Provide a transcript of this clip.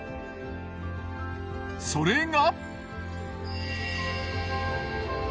それが。